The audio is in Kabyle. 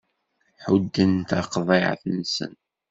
Ḥudden taqeḍɛit-nsen.